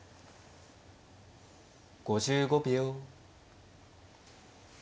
５５秒。